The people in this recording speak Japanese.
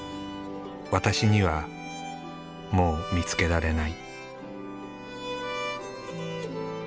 「ワタシ」にはもう見つけられない。